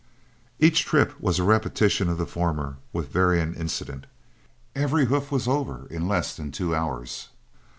Each trip was a repetition of the former, with varying incident. Every hoof was over in less than two hours.